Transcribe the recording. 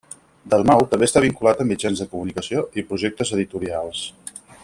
Dalmau també està vinculat a mitjans de comunicació i projectes editorials.